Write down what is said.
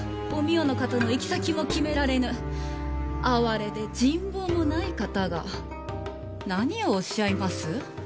お美代の方の行き先も決められぬ哀れで人望もない方が何をおっしゃいます。